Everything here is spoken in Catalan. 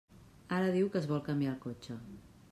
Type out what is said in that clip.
Ara diu que es vol canviar el cotxe.